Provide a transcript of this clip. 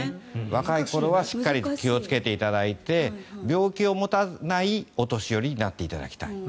若い頃はしっかり気をつけていただいて病気を持たないお年寄りになっていただきたい。